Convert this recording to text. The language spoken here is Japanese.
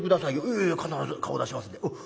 「ええ必ず顔出しますんで」。